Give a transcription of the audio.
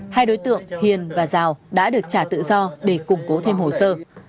hai đối tượng hiền và giào đã được trả tự do để củng cố thêm hồ sơ